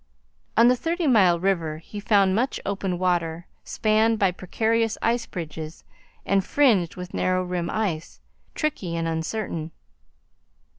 On the Thirty Mile river he found much open water, spanned by precarious ice bridges and fringed with narrow rim ice, tricky and uncertain.